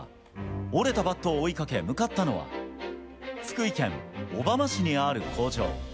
折れたバットを追いかけ、向かったのは、福井県小浜市にある工場。